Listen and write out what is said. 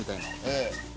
ええ。